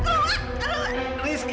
hei kemana rizky